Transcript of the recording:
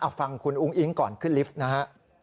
เอาฟังคุณอุ้งอิ๊งก่อนขึ้นลิฟต์นะฮะ